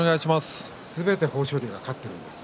すべて豊昇龍が勝っています。